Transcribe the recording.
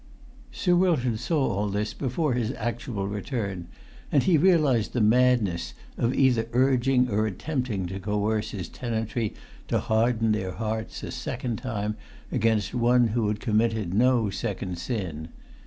Sir Wilton saw all this before his actual return; and he realised the madness of either urging or attempting to coerce his tenantry to harden their hearts, a second time, against one who had committed no second sin.